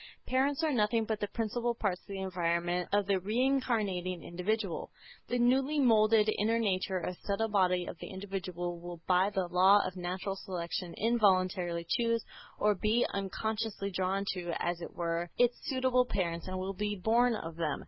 Parents are nothing but the principal parts of the environment of the re incarnating individual. The newly moulded inner nature or subtle body of the individual will by the law of "natural selection" involuntarily choose, or be unconsciously drawn to, as it were, its suitable parents and will be born of them.